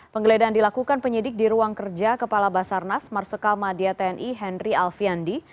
penggeledahan dilakukan penyidik di ruang kerja kepala basarnas marsikal madia tni henry alfiandi